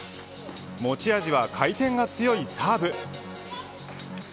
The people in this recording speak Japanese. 持ち味は回転が強いサーブ。